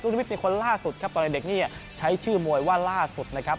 นิมิตเป็นคนล่าสุดครับตอนเด็กนี่ใช้ชื่อมวยว่าล่าสุดนะครับ